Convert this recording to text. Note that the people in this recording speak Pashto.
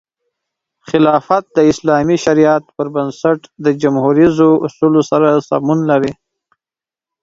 خلافت د اسلامي شریعت پر بنسټ د جموهریزو اصولو سره سمون لري.